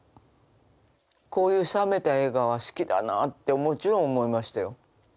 こういう冷めた映画は好きだなってもちろん思いましたよ。